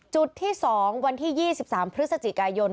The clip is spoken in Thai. จุดที่๒วันที่๒๓พฤศจิกายน